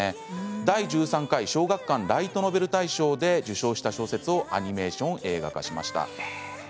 第１３回小学館ライトノベル大賞で受賞した小説をアニメーション映画化しました。